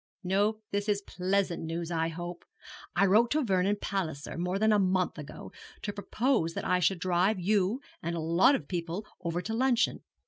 'No, this is pleasant news I hope. I wrote to Vernon Palliser more than a month ago to propose that I should drive you and a lot of people over to luncheon.